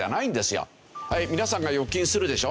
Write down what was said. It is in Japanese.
皆さんが預金するでしょ